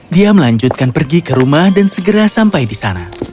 dia melanjutkan pergi ke rumah dan segera sampai di sana